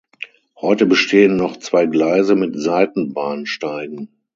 Heute bestehen noch zwei Gleise mit Seitenbahnsteigen.